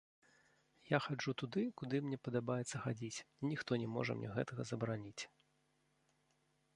Я хаджу туды, куды мне падабаецца хадзіць, і ніхто не можа мне гэта забараніць.